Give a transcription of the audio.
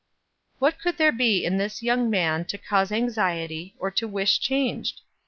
What could there be in this young man to cause anxiety, or to wish changed?